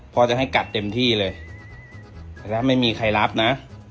จะให้กัดเต็มที่เลยถ้าไม่มีใครรับนะ